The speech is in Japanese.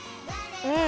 うん！